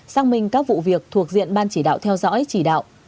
xác minh các vụ việc thuộc diện ban chỉ đạo theo dõi chỉ đạo